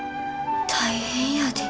大変やで。